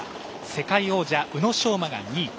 世界王者、宇野昌磨が２位。